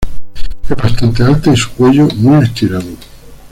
Es bastante alta, y su cuello muy estirado.